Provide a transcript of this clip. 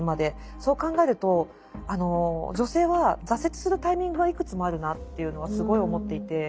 そう考えると女性は挫折するタイミングはいくつもあるなというのはすごい思っていて。